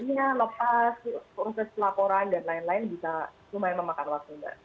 iya lepas proses laporan dan lain lain bisa lumayan memakan waktu